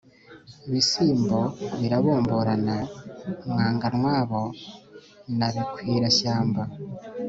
Bisimbo birabomborana, Mwanganwabo na Bikwirashyamba.